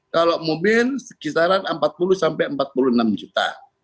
kalau mobil sekitaran empat puluh sampai empat puluh enam juta